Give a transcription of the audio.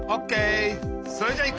それじゃいくよ！